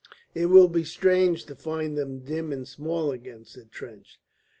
"It will be strange to find them dim and small again," said Trench.